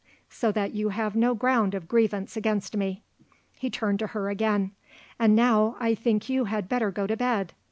So that you have no ground of grievance against me." He turned to her again. "And now I think you had better go to bed.